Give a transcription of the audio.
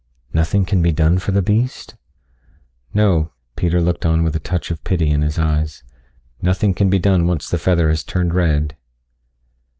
"Nothing can be done for the beast?" "No." Peter looked on with a touch of pity in his eyes, "Nothing can be done once the feather has turned red."